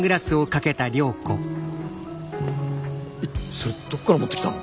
それどっから持ってきたの？